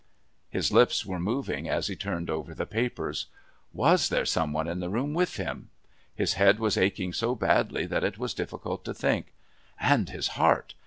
His lips were moving as he turned over the papers. Was there some one in the room with him? His head was aching so badly that it was difficult to think. And his heart!